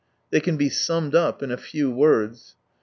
They can be summed up in a few words.